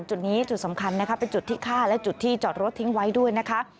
จุดนี้จุดสำคัญนะคะเป็นจุดที่ฆ่าและจุดที่จอดรถทิ้งไว้ด้วยนะคะ